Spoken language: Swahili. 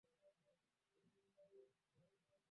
agenda mbalimbali zinatarajiwa kuwekwa mezani